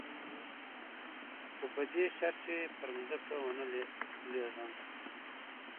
خو په دې شرط چې پر ځمکه ونه لېږم.